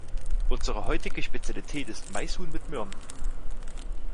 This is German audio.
Unsere heutige Spezialität ist Maishuhn mit Möhren.